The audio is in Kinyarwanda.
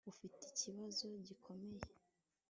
ufite ikibazo gikomeye